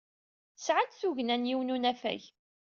Sɛant tugna n yiwen n unafag.